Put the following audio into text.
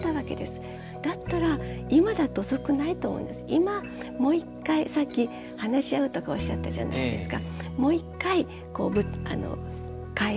今もう一回さっき話し合うとかおっしゃったじゃないですか。